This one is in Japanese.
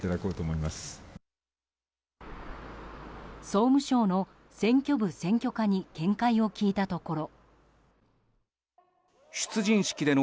総務省の選挙部選挙課に見解を聞いたところ。